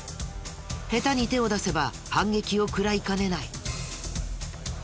下手に手を出せば反撃を食らいかねない。